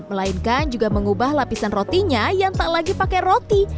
melainkan juga mengubah lapisan rotinya yang tak lagi pakai roti